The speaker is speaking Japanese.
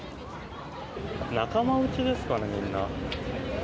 仲間内ですかね、みんな。